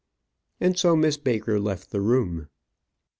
And so Miss Baker left the room.